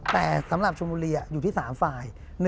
แต่สำหรับชมุเรียอยู่ที่๓ไฟ